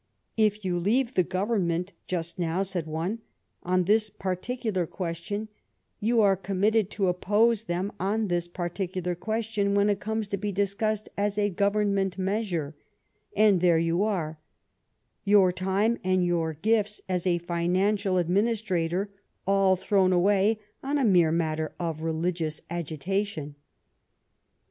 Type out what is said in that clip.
" If you leave the Government just now," said one, "on this particular question, you are committed to oppose them on this particular question when it comes to be discussed as a Government measure; and there you are — your time and your gifts as a financial administrator all thrown away on a mere matter of religious agitation."